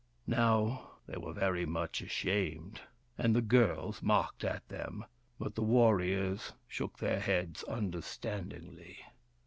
Now they were very much ashamed, and the girls mocked at them, but the warriors shook their heads understandingly.